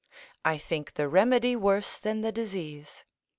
I think the remedy worse than the disease.